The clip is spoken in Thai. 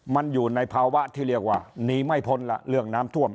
มันอยู่ในภาวะที่เรียกว่าหนีไม่พ้นละเรื่องน้ำท่วม